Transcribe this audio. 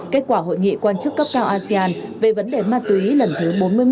kết quả hội nghị quan chức cấp cao asean về vấn đề ma túy lần thứ bốn mươi một bốn mươi hai